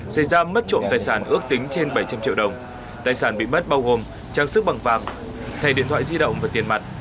xây ra mất trộm tài sản ước tính trên bảy trăm linh triệu đồng tài sản bị mất bao gồm trang sức bằng vàng thay điện thoại di động và tiền mặt